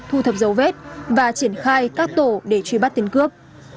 thu thập dấu vết và triển khai các tổ để truy bắt tên cướp